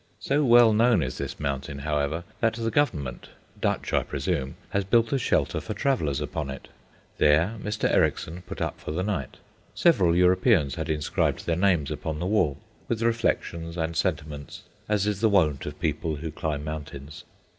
So well known is this mountain, however, that the Government, Dutch I presume, has built a shelter for travellers upon it. There Mr. Ericksson put up for the night. Several Europeans had inscribed their names upon the wall, with reflections and sentiments, as is the wont of people who climb mountains.